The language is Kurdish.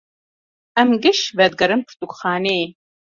Em giş vedigerin pirtûkxaneyê.